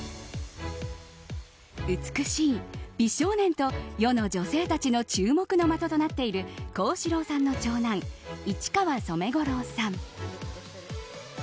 美しい、美少年と世の女性たちの注目の的となっている幸四郎さんの長男市川染五郎さん。